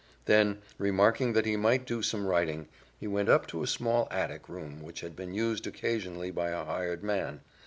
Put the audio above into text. Then, remarking that he might do some writing, he went up to a small attic room which had been used occasionally by a hired man.